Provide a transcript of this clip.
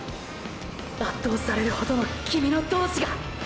圧倒されるほどのキミの闘志が！！